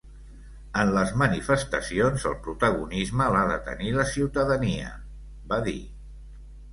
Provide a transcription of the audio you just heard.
“En les manifestacions, el protagonisme l’ha de tenir la ciutadania”, va dir.